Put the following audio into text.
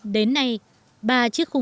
đến nay bà chị đã được học dệt thổ cầm